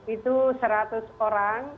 itu seratus orang